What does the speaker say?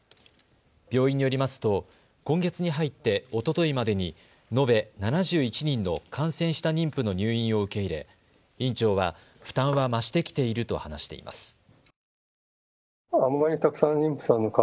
病院によりますと今月に入っておとといまでに延べ７１人の感染した妊婦の入院を受け入れ院長は負担は増してきていると話しています。